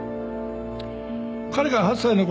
彼が８歳のころ